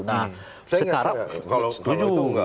nah sekarang setuju